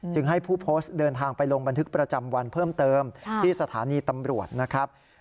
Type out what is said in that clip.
ให้ผู้โพสต์เดินทางไปลงบันทึกประจำวันเพิ่มเติมที่สถานีตำรวจนะครับ